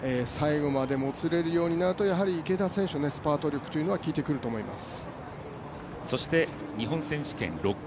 最後までもつれるようになると、やはり池田選手のスパート力というのはきいてくると思います。